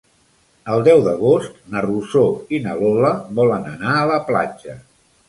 El deu d'agost na Rosó i na Lola volen anar a la platja.